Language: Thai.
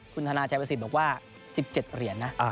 คุณธนาชัยประสิทธิ์บอกว่า๑๗เหรียญนะ